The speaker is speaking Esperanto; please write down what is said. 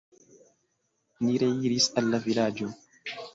Ni reiris al la vilaĝo.